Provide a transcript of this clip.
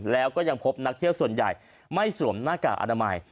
แล้วก็ยังพบนักเที่ยวส่วนใหญ่ไม่สวมหน้ากากอนามัย